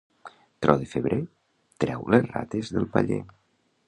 Tro de febrer, treu les rates del paller.